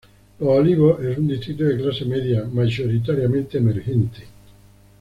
Los Olivos es un distrito de clase media, mayoritariamente emergente.